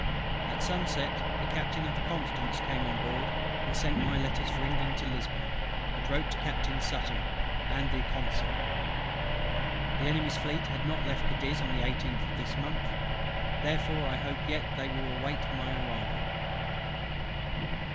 At sunset the Captain of the Constance came on board, and sent my letters for England to Lisbon, and wrote to Captain SUTTON and the Consul. The Enemy's Fleet had not left Cadiz the 18th of this month, therefore I yet hope they will wait my arrival.